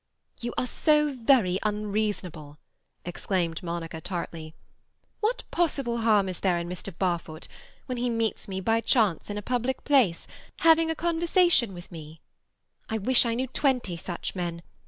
"You are so very unreasonable," exclaimed Monica tartly. "What possible harm is there in Mr. Barfoot, when he meets me by chance in a public place, having a conversation with me? I wish I knew twenty such men.